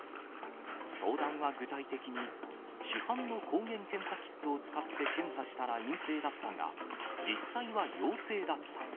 相談は具体的に、市販の抗原検査キットを使って検査したら陰性だったが、実際は陽性だった。